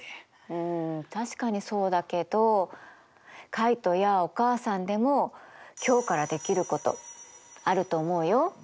うん確かにそうだけどカイトやお母さんでも今日からできることあると思うよ。